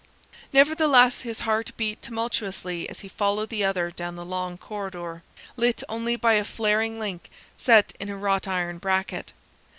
Nevertheless, his heart beat tumultuously as he followed the other down the long corridor, lit only by a flaring link set in a wrought iron bracket.